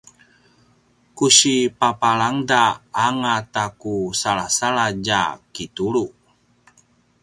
ku si papalangda anga ta ku salasaladj a kitulu